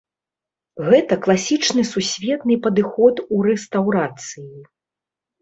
Гэта класічны сусветны падыход у рэстаўрацыі.